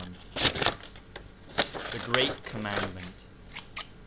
THE GREAT COMMANDMENT.